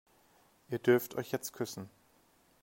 Ihr dürft euch jetzt küssen.